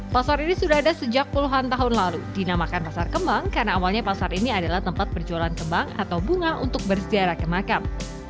pasar ini sudah ada sejak puluhan tahun lalu dinamakan pasar kembang karena awalnya pasar ini adalah tempat perjualan kembang atau bunga untuk berziarah ke makam